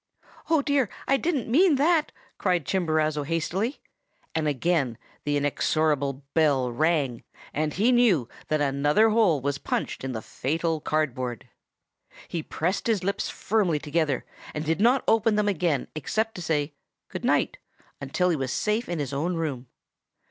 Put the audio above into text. "'Oh, dear! I didn't mean that,' cried Chimborazo hastily; and again the inexorable bell rang, and he knew that another hole was punched in the fatal cardboard. He pressed his lips firmly together, and did not open them again except to say 'Good night,' until he was safe in his own room.